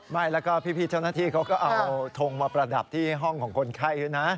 แล้วก็พี่เท่านักที่เขาก็เอาทงมาประดับที่ห้องของคนไข้นะ